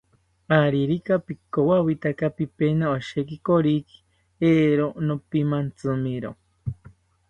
Aririka pikowawita pipena osheki koriki, eero nopimantzimiro